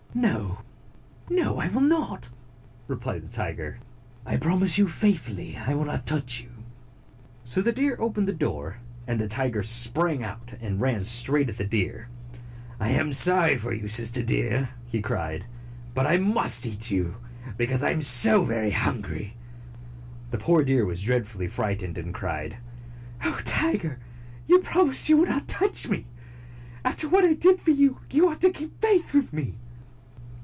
"No, no, I will not,'' replied the tiger. "I promise you faithfully I will not touch you." So the deer opened the door, and the tiger sprang out and ran straight at the deer. "I am sorry for you, Sister Deer," he cried, "but I must eat you, because I am so very hungry." The poor deer was dreadfully frightened, and cried, "Oh, Tiger, you promised me you would not touch me. After what I did for you, you ought to keep faith with me."